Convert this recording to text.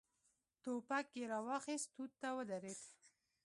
ټوپک يې را واخيست، توت ته ودرېد.